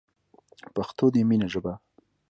پښتو دی مینی ژبه